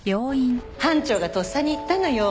班長がとっさに言ったのよ。